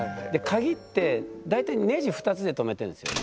鍵って大体ネジ２つで留めてるんですよ。